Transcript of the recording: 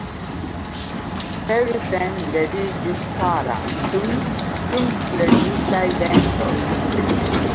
Felsen leviĝis, pala, kun kunpremitaj dentoj.